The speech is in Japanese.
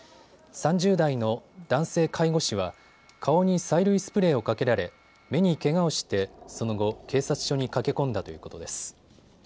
３０代の男性介護士は顔に催涙スプレーをかけられ目にけがをしてその後、警察署に駆け込んだということです。